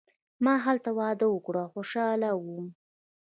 ما هلته واده وکړ او خوشحاله وم.